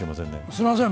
すいません